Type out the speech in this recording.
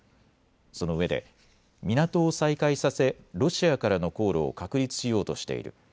そのうえで港を再開させロシアからの航路を確立しようとしている。